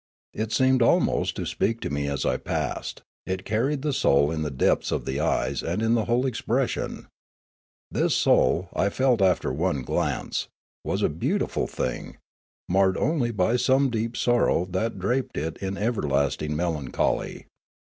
It seemed almost to speak to me as I passed ; it carried the soul in the depths of the eyes and in the whole expression. This soul, I felt after one glance, was a beautiful thing, marred only by some deep sorrow that draped it in everlasting melancholy.